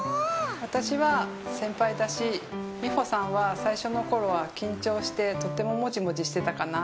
私は先輩だしみほさんは最初の頃は緊張してとってもモジモジしてたかな。